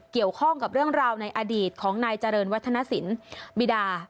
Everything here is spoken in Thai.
เกี่ยวข้องกับเรื่องราวในอดีตของนายเจริญวัฒนสินบิดา